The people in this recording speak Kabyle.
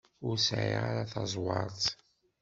Ur sɛiɣ ara taẓwert.